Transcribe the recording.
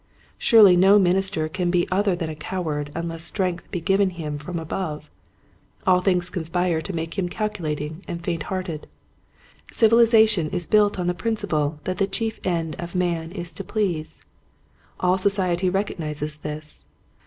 Surely no minister can be other than a coward unless strength be given him from above. All things conspire to make him calculating and faint hearted. Civili zation is built on the principle that the chief end of man is to please. All society recognizes this.